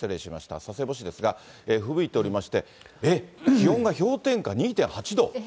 佐世保市ですが、ふぶいておりまして、えっ、気温が氷点下２．８度？